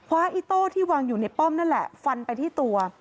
อิโต้ที่วางอยู่ในป้อมนั่นแหละฟันไปที่ตัว